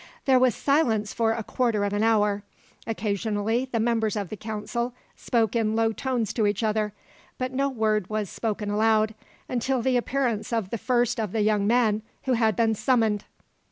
There was silence for a quarter of an hour. Occasionally the members of the council spoke in low tones to each other, but no word was spoken aloud, until the appearance of the first of the young men who had been summoned.